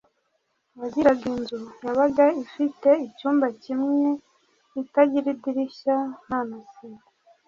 uwagiraga inzu yabaga ifite icyumba kimwe itagira idirishya nta na sima